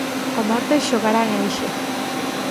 O martes xogará en Elxe.